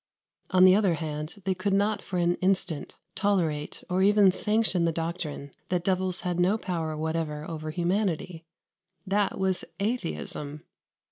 On the other hand, they could not for an instant tolerate or even sanction the doctrine that devils had no power whatever over humanity: that was Atheism.